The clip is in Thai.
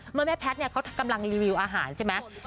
เมื่อแม่ปั๊ดเนี่ยเขากำลังรีวิวอาหารใช่ไหม